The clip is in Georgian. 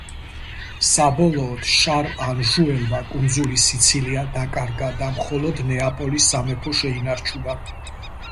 საბოლოოდ შარლ ანჟუელმა კუნძული სიცილია დაკარგა და მხოლოდ ნეაპოლის სამეფო შეინარჩუნა.